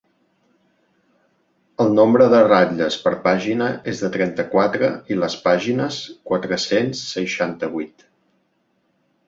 El nombre de ratlles per pàgina és de trenta-quatre i les pàgines, quatre-cents seixanta-vuit.